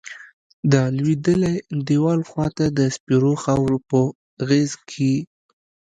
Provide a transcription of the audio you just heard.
د لویدلیی دیوال خواتہ د سپیرو خاور پہ غیز کیی